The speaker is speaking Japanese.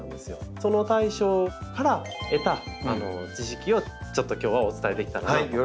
その対処から得た知識をちょっと今日はお伝えできたらなと思います。